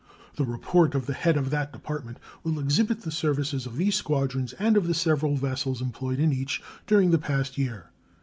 The report of the head of that Department will exhibit the services of these squadrons and of the several vessels employed in each during the past year.